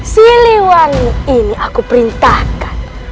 siliwani ini aku perintahkan